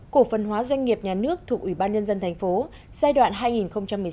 cổ phần hóa doanh nghiệp nhà nước thuộc ủy ban nhân dân thành phố giai đoạn hai nghìn một mươi sáu hai nghìn hai mươi